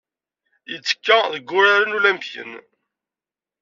Yettekka deg Wuraren Ulimpiyen.